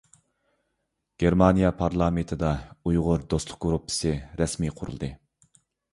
گېرمانىيە پارلامېنتىدا «ئۇيغۇر دوستلۇق گۇرۇپپىسى» رەسمىي قۇرۇلدى.